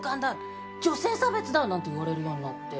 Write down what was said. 「女性差別だ！」なんて言われるようになって。